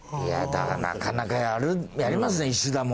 なかなかやりますね石田も。